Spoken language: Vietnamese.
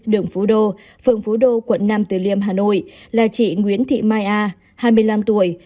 đường phố đô phường phú đô quận năm từ liêm hà nội là chị nguyễn thị mai a hai mươi năm tuổi